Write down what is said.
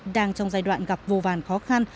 đang trong giai đoạn gặp vô vàn khó khăn